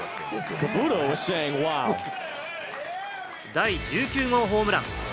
第１９号ホームラン。